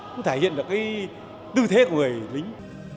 cũng thể hiện được cái tư thế của người lính